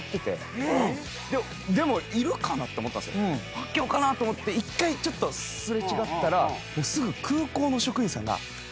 パッキャオかなと思って１回ちょっと擦れ違ったらすぐ空港の職員さんが。